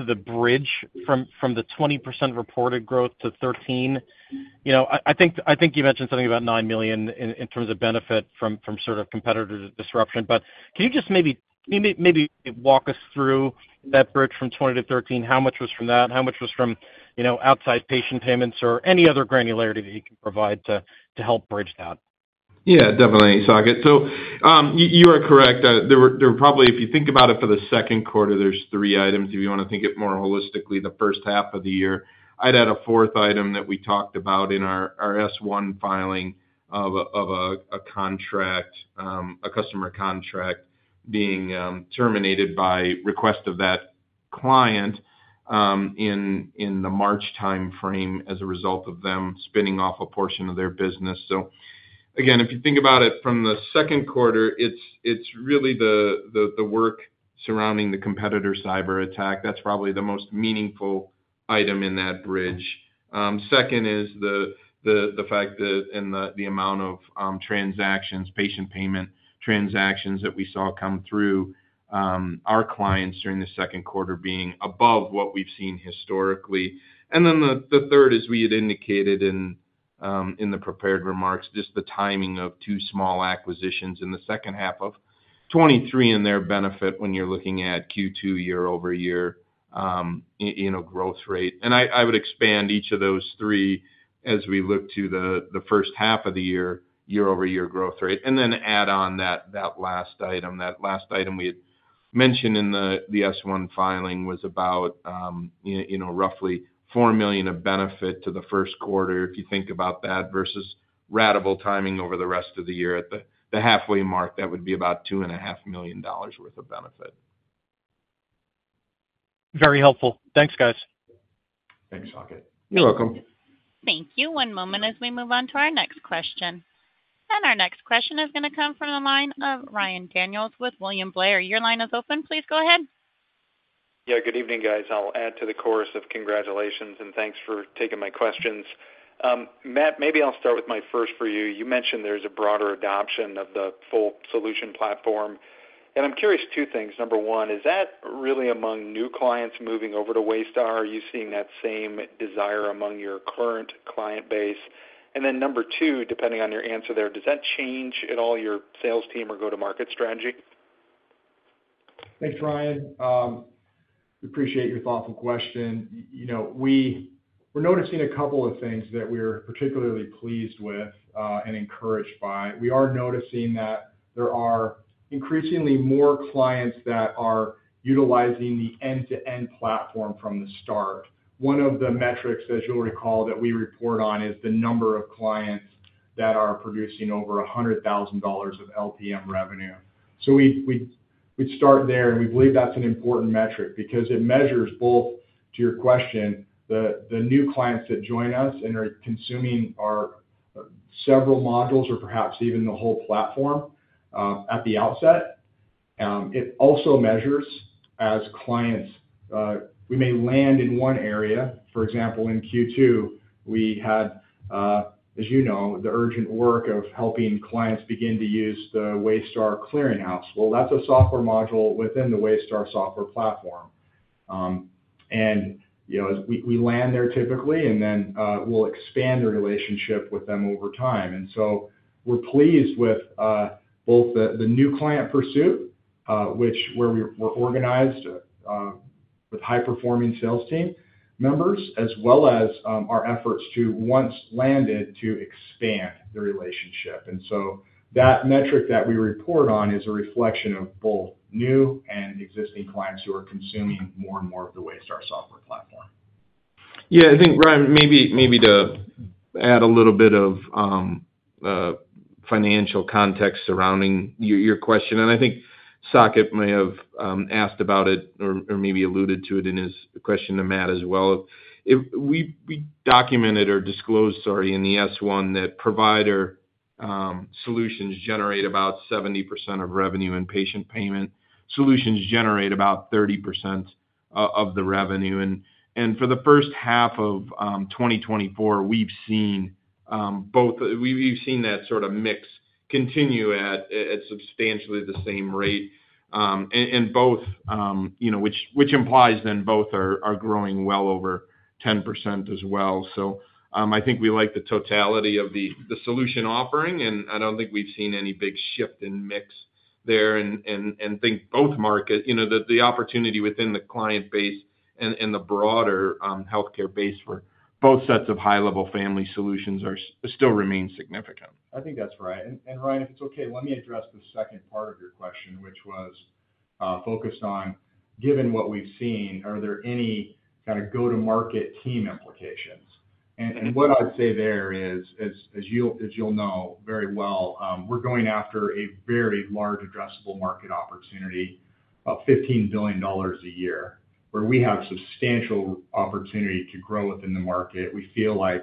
the bridge from the 20% reported growth to 13? You know, I think you mentioned something about $9 million in terms of benefit from sort of competitor disruption. Can you just maybe walk us through that bridge from 20 to 13? How much was from that? How much was from, you know, outside patient payments or any other granularity that you can provide to help bridge that? Yeah, definitely, Saket. You are correct. There were probably, if you think about it for the second quarter, there's three items. If you want to think it more holistically, the first half of the year, I'd add a fourth item that we talked about in our S-1 filing of a contract, a customer contract being terminated by request of that client in the March timeframe as a result of them spinning off a portion of their business. So again, if you think about it from the second quarter, it's really the work surrounding the competitor cyber attack. That's probably the most meaningful item in that bridge. Second is the fact that in the amount of transactions, patient payment transactions that we saw come through our clients during the second quarter being above what we've seen historically. And then the third is we had indicated in the prepared remarks just the timing of two small acquisitions in the second half of 2023 and their benefit when you're looking at Q2 year-over-year, you know, growth rate. And I would expand each of those three as we look to the first half of the year, year-over-year growth rate. And then add on that last item. That last item we mentioned in the S-1 filing was about, you know, roughly $4 million of benefit to the first quarter. If you think about that versus ratable timing over the rest of the year at the halfway mark, that would be about $2.5 million worth of benefit. Very helpful. Thanks, guys. Thanks, Saket. You're welcome. Thank you. One moment as we move on to our next question. Our next question is going to come from the line of Ryan Daniels with William Blair. Your line is open. Please go ahead. Yeah, good evening, guys. I'll add to the chorus of congratulations and thanks for taking my questions. Matt, maybe I'll start with my first for you. You mentioned there's a broader adoption of the full solution platform. And I'm curious two things. Number one, is that really among new clients moving over to Waystar? Are you seeing that same desire among your current client base? And then number two, depending on your answer there, does that change at all your sales team or go-to-market strategy? Thanks, Ryan. We appreciate your thoughtful question. You know, we're noticing a couple of things that we're particularly pleased with and encouraged by. We are noticing that there are increasingly more clients that are utilizing the end-to-end platform from the start. One of the metrics that you'll recall that we report on is the number of clients that are producing over $100,000 of LTM revenue. So we'd start there, and we believe that's an important metric because it measures both, to your question, the new clients that join us and are consuming our several modules or perhaps even the whole platform at the outset. It also measures as clients, we may land in one area. For example, in Q2, we had, as you know, the urgent work of helping clients begin to use the Waystar clearinghouse. Well, that's a software module within the Waystar software platform. And, you know, we land there typically, and then we'll expand the relationship with them over time. And so we're pleased with both the new client pursuit, which, where we're organized with high-performing sales team members, as well as our efforts to, once landed, to expand the relationship. And so that metric that we report on is a reflection of both new and existing clients who are consuming more and more of the Waystar software platform. Yeah, I think, Ryan, maybe to add a little bit of financial context surrounding your question. And I think Saket may have asked about it or maybe alluded to it in his question to Matt as well. We documented or disclosed, sorry, in the S-1 that provider solutions generate about 70% of revenue and patient payment solutions generate about 30% of the revenue. For the first half of 2024, we've seen both, we've seen that sort of mix continue at substantially the same rate in both, you know, which implies then both are growing well over 10% as well. So I think we like the totality of the solution offering, and I don't think we've seen any big shift in mix there and think both market, you know, the opportunity within the client base and the broader healthcare base for both sets of high-level family solutions still remain significant. I think that's right. Ryan, if it's okay, let me address the second part of your question, which was focused on, given what we've seen, are there any kind of go-to-market team implications? And what I'd say there is, as you'll know very well, we're going after a very large addressable market opportunity, about $15 billion a year, where we have substantial opportunity to grow within the market. We feel like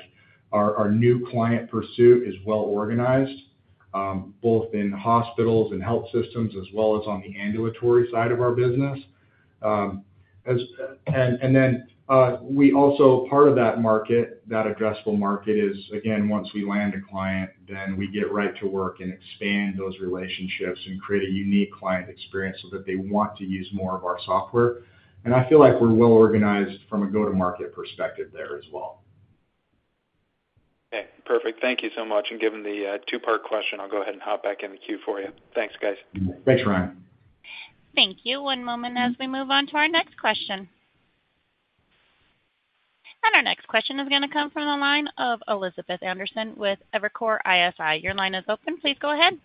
our new client pursuit is well organized, both in hospitals and health systems, as well as on the ambulatory side of our business. And then we also, part of that market, that addressable market is, again, once we land a client, then we get right to work and expand those relationships and create a unique client experience so that they want to use more of our software. And I feel like we're well organized from a go-to-market perspective there as well. Okay, perfect. Thank you so much. And given the two-part question, I'll go ahead and hop back in the queue for you. Thanks, guys. Thanks, Ryan. Thank you. One moment as we move on to our next question. Our next question is going to come from the line of Elizabeth Anderson with Evercore ISI. Your line is open. Please go ahead.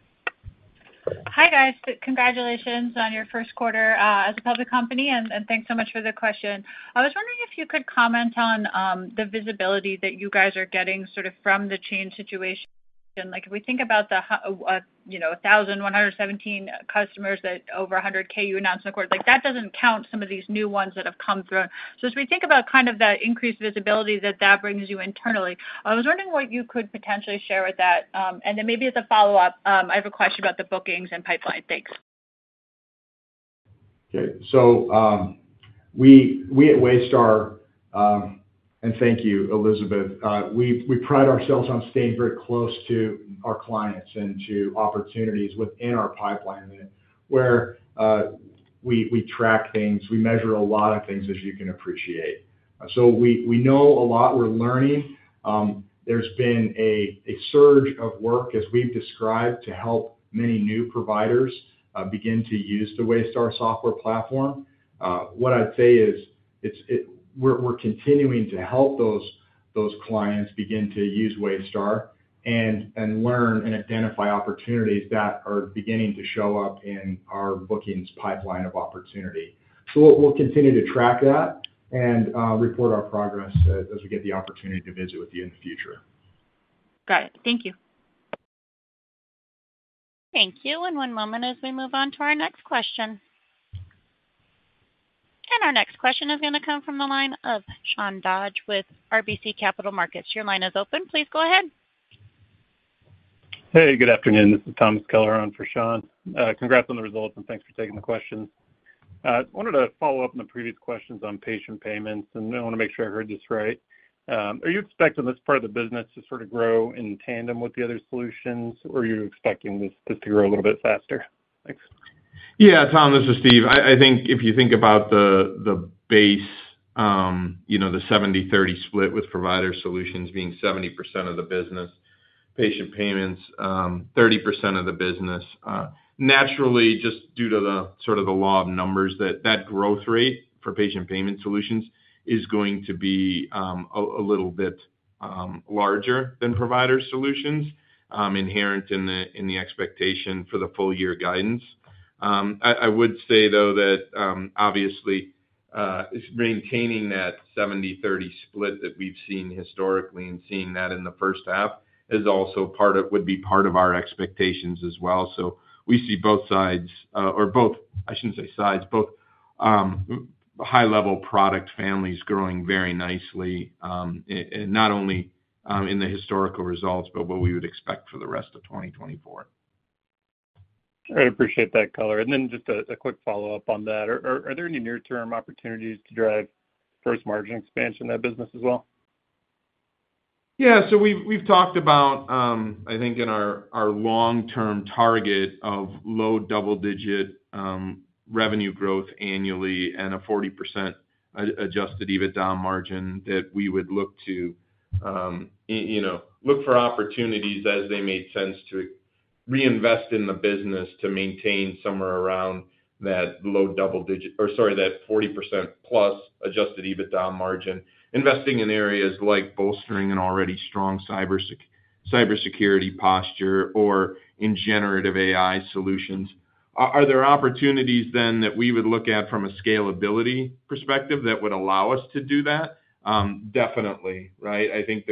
Hi, guys. Congratulations on your first quarter as a public company. Thanks so much for the question. I was wondering if you could comment on the visibility that you guys are getting sort of from the change situation. Like if we think about the, you know, 1,117 customers that over 100,000 you announced in the quarter, like that doesn't count some of these new ones that have come through. So as we think about kind of that increased visibility that that brings you internally, I was wondering what you could potentially share with that. Then maybe as a follow-up, I have a question about the bookings and pipeline. Thanks. Okay. So we at Waystar, and thank you, Elizabeth, we pride ourselves on staying very close to our clients and to opportunities within our pipeline where we track things. We measure a lot of things, as you can appreciate. So we know a lot. We're learning. There's been a surge of work, as we've described, to help many new providers begin to use the Waystar software platform. What I'd say is we're continuing to help those clients begin to use Waystar and learn and identify opportunities that are beginning to show up in our bookings pipeline of opportunity. So we'll continue to track that and report our progress as we get the opportunity to visit with you in the future. Got it. Thank you. Thank you. And one moment as we move on to our next question. Our next question is going to come from the line of Sean Dodge with RBC Capital Markets. Your line is open. Please go ahead. Hey, good afternoon. This is Thomas Keller on for Sean. Congrats on the results and thanks for taking the question. I wanted to follow up on the previous questions on patient payments, and I want to make sure I heard this right. Are you expecting this part of the business to sort of grow in tandem with the other solutions, or are you expecting this to grow a little bit faster? Thanks. Yeah, Tom, this is Steve. I think if you think about the base, you know, the 70-30 split with provider solutions being 70% of the business, patient payments 30% of the business. Naturally, just due to the sort of the law of numbers, that growth rate for patient payment solutions is going to be a little bit larger than provider solutions inherent in the expectation for the full year guidance. I would say, though, that obviously maintaining that 70-30 split that we've seen historically and seeing that in the first half is also part of, would be part of our expectations as well. So we see both sides, or both, I shouldn't say sides, both high-level product families growing very nicely, not only in the historical results, but what we would expect for the rest of 2024. I appreciate that, Keller. And then just a quick follow-up on that. Are there any near-term opportunities to drive first margin expansion of that business as well? Yeah, so we've talked about, I think, in our long-term target of low double-digit revenue growth annually and a 40% Adjusted EBITDA margin that we would look to, you know, look for opportunities as they made sense to reinvest in the business to maintain somewhere around that low double-digit, or sorry, that 40% plus Adjusted EBITDA margin, investing in areas like bolstering an already strong cybersecurity posture or in generative AI solutions. Are there opportunities then that we would look at from a scalability perspective that would allow us to do that? Definitely, right? I think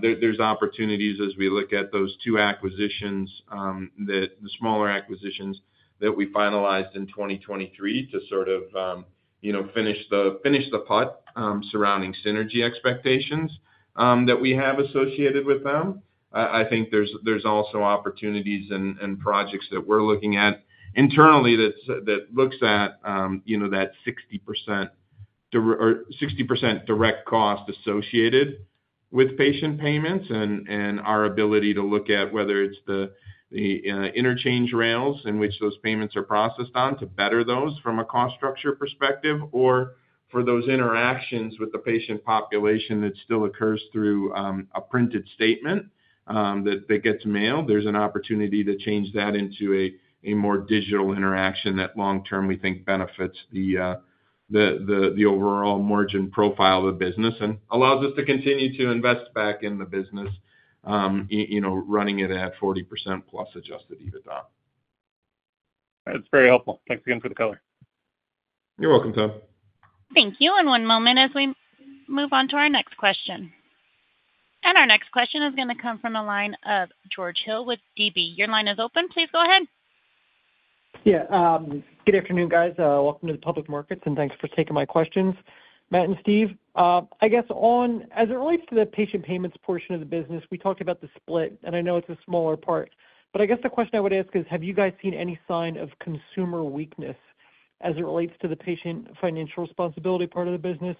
there's opportunities as we look at those two acquisitions, the smaller acquisitions that we finalized in 2023 to sort of, you know, finish the putt surrounding synergy expectations that we have associated with them. I think there's also opportunities and projects that we're looking at internally that looks at, you know, that 60% direct cost associated with patient payments and our ability to look at whether it's the interchange rails in which those payments are processed on to better those from a cost structure perspective or for those interactions with the patient population that still occurs through a printed statement that gets mailed. There's an opportunity to change that into a more digital interaction that long-term we think benefits the overall margin profile of the business and allows us to continue to invest back in the business, you know, running it at 40% plus Adjusted EBITDA. That's very helpful. Thanks again for the color. You're welcome, Tom. Thank you. And one moment as we move on to our next question. And our next question is going to come from the line of George Hill with DB. Your line is open. Please go ahead. Yeah. Good afternoon, guys. Welcome to the public markets and thanks for taking my questions, Matt and Steve. I guess on, as it relates to the patient payments portion of the business, we talked about the split, and I know it's a smaller part, but I guess the question I would ask is, have you guys seen any sign of consumer weakness as it relates to the patient financial responsibility part of the business?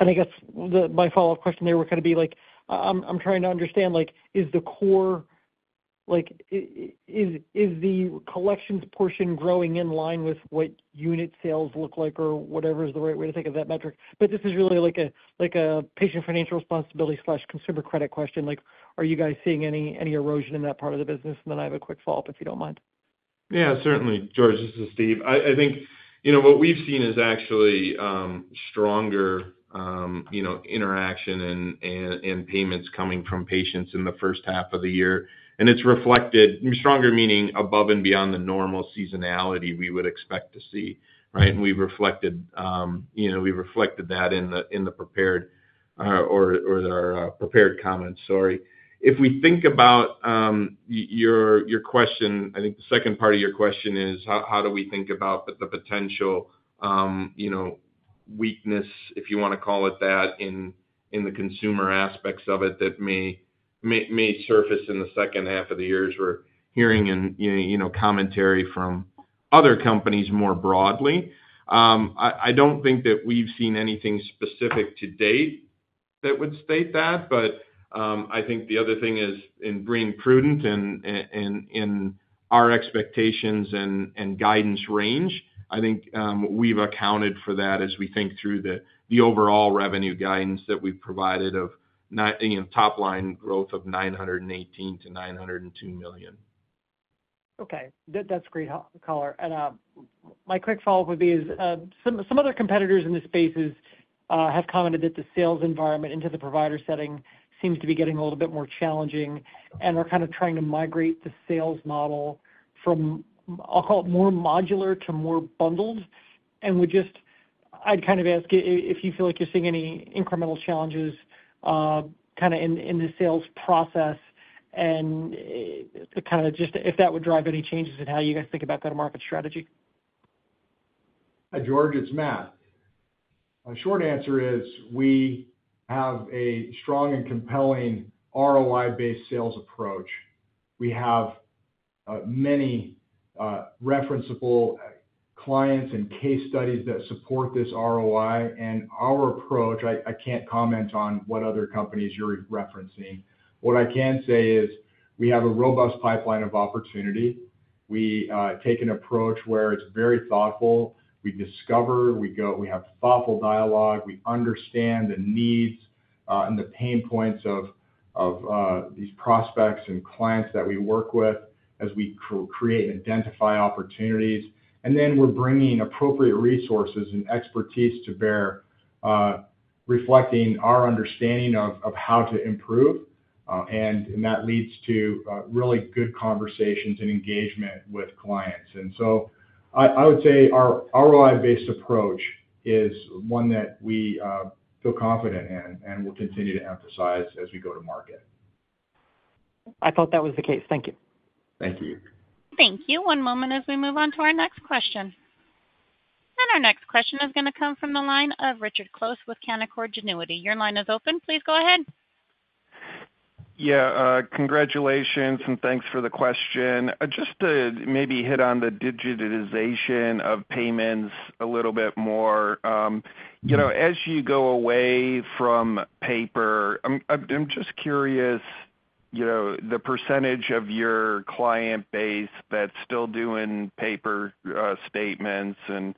And I guess my follow-up question there would kind of be like, I'm trying to understand, like, is the core, like, is the collections portion growing in line with what unit sales look like or whatever is the right way to think of that metric? But this is really like a patient financial responsibility slash consumer credit question. Like, are you guys seeing any erosion in that part of the business? And then I have a quick follow-up if you don't mind. Yeah, certainly, George. This is Steve. I think, you know, what we've seen is actually stronger, you know, interaction and payments coming from patients in the first half of the year. And it's reflected, stronger meaning above and beyond the normal seasonality we would expect to see, right? And we've reflected, you know, we've reflected that in the prepared or our prepared comments, sorry. If we think about your question, I think the second part of your question is, how do we think about the potential, you know, weakness, if you want to call it that, in the consumer aspects of it that may surface in the second half of the year we're hearing and, you know, commentary from other companies more broadly? I don't think that we've seen anything specific to date that would state that, but I think the other thing is in bringing prudence in our expectations and guidance range, I think we've accounted for that as we think through the overall revenue guidance that we've provided of top-line growth of $918 million-$902 million. Okay. That's great, color. My quick follow-up would be some other competitors in this space have commented that the sales environment into the provider setting seems to be getting a little bit more challenging and are kind of trying to migrate the sales model from, I'll call it more modular to more bundled. We just, I'd kind of ask if you feel like you're seeing any incremental challenges kind of in the sales process and kind of just if that would drive any changes in how you guys think about that market strategy. George, it's Matt. Short answer is we have a strong and compelling ROI-based sales approach. We have many referenceable clients and case studies that support this ROI and our approach. I can't comment on what other companies you're referencing. What I can say is we have a robust pipeline of opportunity. We take an approach where it's very thoughtful. We discover, we go, we have thoughtful dialogue. We understand the needs and the pain points of these prospects and clients that we work with as we create and identify opportunities. And then we're bringing appropriate resources and expertise to bear, reflecting our understanding of how to improve. And that leads to really good conversations and engagement with clients. And so I would say our ROI-based approach is one that we feel confident in and will continue to emphasize as we go to market. I thought that was the case. Thank you. Thank you. Thank you. One moment as we move on to our next question. And our next question is going to come from the line of Richard Close with Canaccord Genuity. Your line is open. Please go ahead. Yeah. Congratulations and thanks for the question. Just to maybe hit on the digitization of payments a little bit more. You know, as you go away from paper, I'm just curious, you know, the percentage of your client base that's still doing paper statements and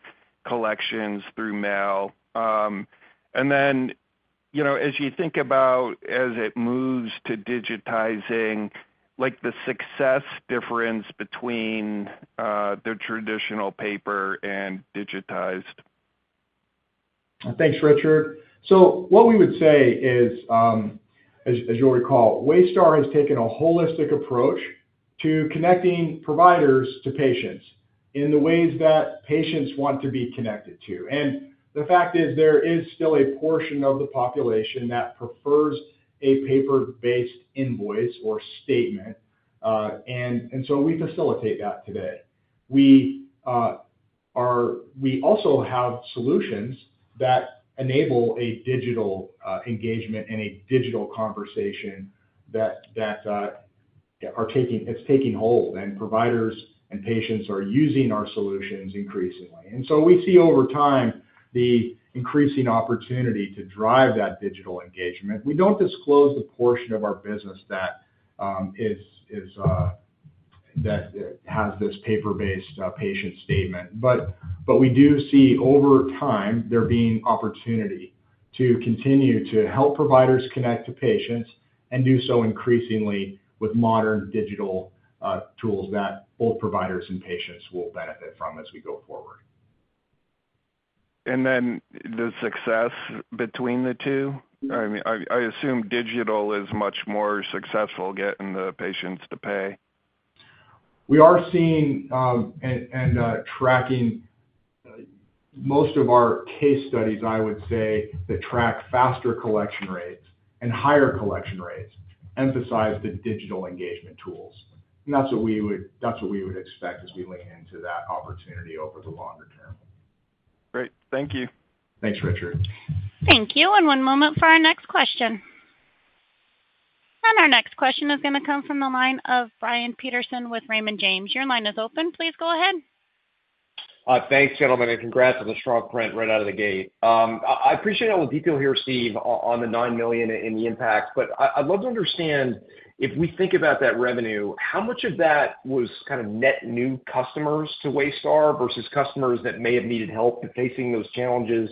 collections through mail. And then, you know, as you think about as it moves to digitizing, like the success difference between the traditional paper and digitized. Thanks, Richard. So what we would say is, as you'll recall, Waystar has taken a holistic approach to connecting providers to patients in the ways that patients want to be connected to. And the fact is there is still a portion of the population that prefers a paper-based invoice or statement. And so we facilitate that today. We also have solutions that enable a digital engagement and a digital conversation that are taking, it's taking hold and providers and patients are using our solutions increasingly. And so we see over time the increasing opportunity to drive that digital engagement. We don't disclose the portion of our business that has this paper-based patient statement, but we do see over time there being opportunity to continue to help providers connect to patients and do so increasingly with modern digital tools that both providers and patients will benefit from as we go forward. And then the success between the two, I mean, I assume digital is much more successful getting the patients to pay. We are seeing and tracking most of our case studies, I would say, that track faster collection rates and higher collection rates emphasize the digital engagement tools. And that's what we would expect as we lean into that opportunity over the longer term. Great. Thank you. Thanks, Richard. Thank you. And one moment for our next question. And our next question is going to come from the line of Brian Peterson with Raymond James. Your line is open. Please go ahead. Thanks, gentlemen, and congrats on the strong print right out of the gate. I appreciate all the detail here, Steve, on the $9 million in the impacts, but I'd love to understand if we think about that revenue, how much of that was kind of net new customers to Waystar versus customers that may have needed help facing those challenges?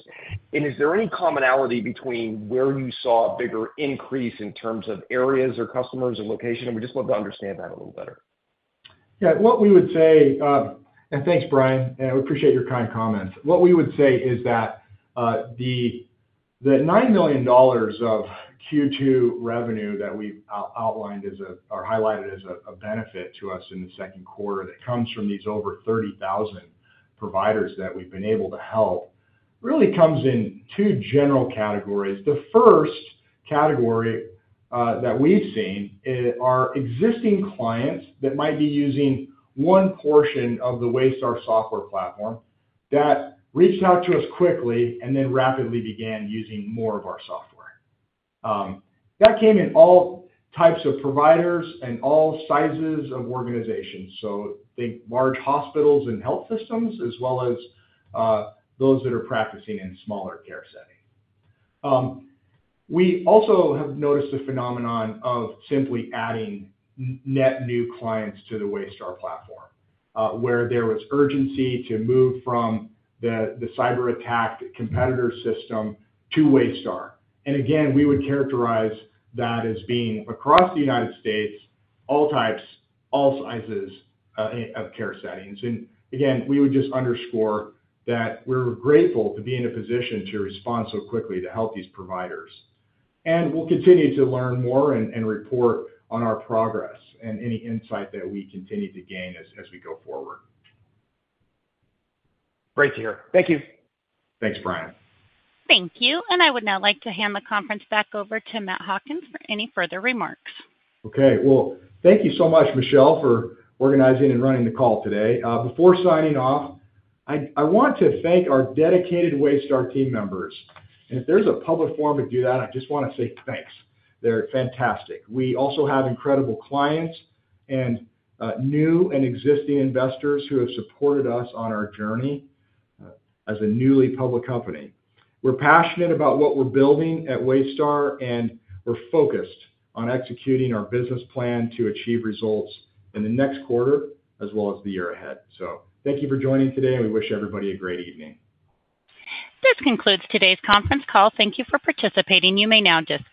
And is there any commonality between where you saw a bigger increase in terms of areas or customers or location? We just want to understand that a little better. Yeah, what we would say, and thanks, Brian, and I appreciate your kind comments. What we would say is that the $9 million of Q2 revenue that we've outlined as a, or highlighted as a benefit to us in the second quarter that comes from these over 30,000 providers that we've been able to help really comes in two general categories. The first category that we've seen are existing clients that might be using one portion of the Waystar software platform that reached out to us quickly and then rapidly began using more of our software. That came in all types of providers and all sizes of organizations. So I think large hospitals and health systems, as well as those that are practicing in smaller care settings. We also have noticed a phenomenon of simply adding net new clients to the Waystar platform, where there was urgency to move from the cyber-attacked competitor system to Waystar. Again, we would characterize that as being across the United States, all types, all sizes of care settings. Again, we would just underscore that we're grateful to be in a position to respond so quickly to help these providers. We'll continue to learn more and report on our progress and any insight that we continue to gain as we go forward. Great to hear. Thank you. Thanks, Brian. Thank you. Now I would like to hand the conference back over to Matt Hawkins for any further remarks. Okay. Well, thank you so much, Michelle, for organizing and running the call today. Before signing off, I want to thank our dedicated Waystar team members. If there's a public forum to do that, I just want to say thanks. They're fantastic. We also have incredible clients and new and existing investors who have supported us on our journey as a newly public company. We're passionate about what we're building at Waystar, and we're focused on executing our business plan to achieve results in the next quarter, as well as the year ahead. So thank you for joining today, and we wish everybody a great evening. This concludes today's conference call. Thank you for participating. You may now disconnect.